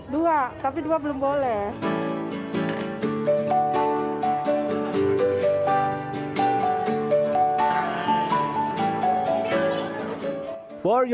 dua tapi dua belum boleh